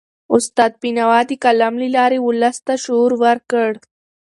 استاد بینوا د قلم له لاري ولس ته شعور ورکړ.